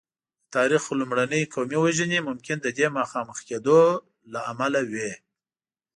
د تاریخ لومړنۍ قومي وژنې ممکن د دې مخامخ کېدو له امله وې.